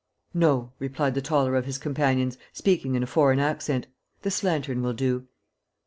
"No," replied the taller of his companions, speaking in a foreign accent. "This lantern will do."